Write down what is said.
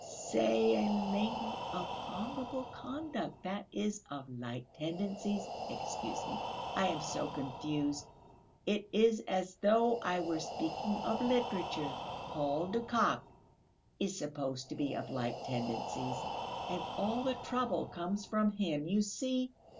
I say a lady of honourable conduct, that is, of light tendencies excuse me, I am so confused; it is as though I were speaking of literature Paul de Kock is supposed to be of light tendencies, and all the trouble comes from him, you see...."